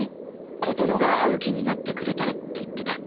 琴乃が会う気になってくれたらって言ってた。